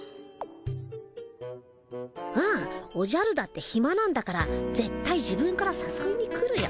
うんおじゃるだってひまなんだから絶対自分からさそいに来るよ。